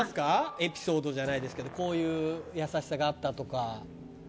エピソードじゃないですけどこういう優しさがあったとか。